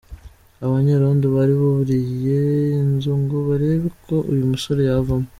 Abanyerondo bari buriye inzu ngo barebe ko uyu musore yavamo.